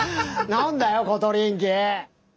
何だよコトリンキー！